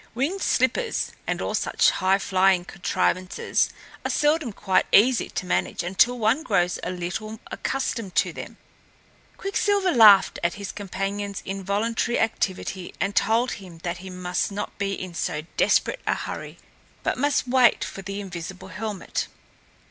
Winged slippers and all such high flying contrivances are seldom quite easy to manage until one grows a little accustomed to them. Quicksilver laughed at his companion's involuntary activity and told him that he must not be in so desperate a hurry, but must wait for the invisible helmet.